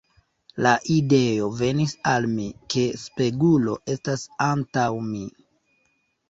La ideo venis al mi, ke spegulo estas antaŭ mi.